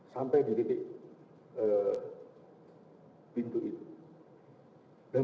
sampai di titik pintu itu